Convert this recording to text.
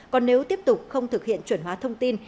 còn nếu tiếp tục không thực hiện chuẩn hóa thông tin